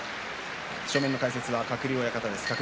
正面の解説は鶴竜親方です。